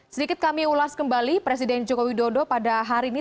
sedikit kami ulas kembali presiden joko widodo pada hari ini